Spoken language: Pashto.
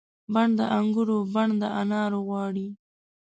بڼ د انګور بڼ د انار غواړي